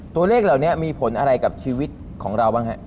ตัวเลขเหล่านี้มีผลอะไรกับชีวิตของเราบ้างฮะ